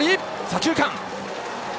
左中間。